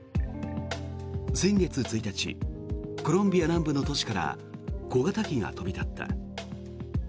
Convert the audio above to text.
先月１日コロンビア南部の都市から小型機が飛び立った。